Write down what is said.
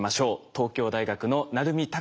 東京大学の鳴海拓志さんです。